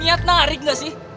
niat narik gak sih